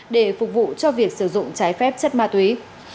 để phục vụ cho việc sử dụng trái phép chất ma túy